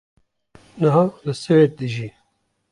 niha li Swêd dijî